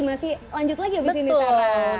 masih lanjut lagi abis ini saya